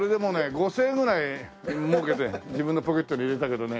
５０００円ぐらい儲けて自分のポケットに入れたけどね。